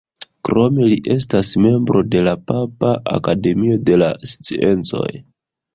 Krome li estas membro de la Papa Akademio de la sciencoj.